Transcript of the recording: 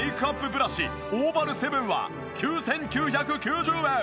ブラシオーバル７は９９９０円！